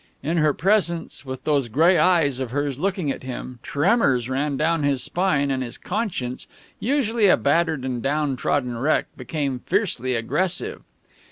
In her presence, with those gray eyes of hers looking at him, tremors ran down his spine, and his conscience, usually a battered and downtrodden wreck, became fiercely aggressive.